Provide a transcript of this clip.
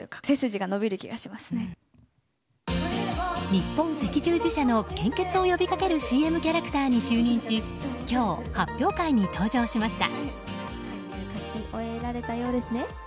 日本赤十字社の献血を呼びかけるＣＭキャラクターに就任し今日、発表会に登場しました。